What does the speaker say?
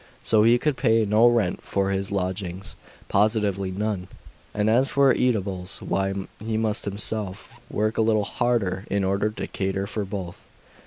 So he should pay no rent for his lodgings positively none; and as for eatables why, he must himself work a little harder in order to cater for both.